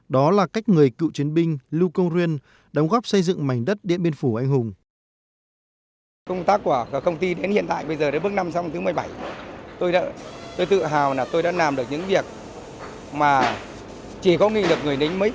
đó là cách người cựu chiến binh lưu công ruyên đóng góp xây dựng mảnh đất điện biên phủ anh hùng